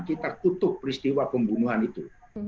kita kutuk peristiwa pembunuhan itu